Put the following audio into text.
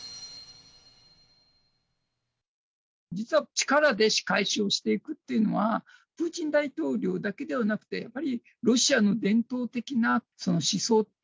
実は力で仕返しをしていくっていうのは、プーチン大統領だけではなくて、やはりロシアの伝統的な思想。